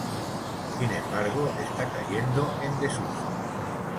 Sin embargo, está cayendo en desuso.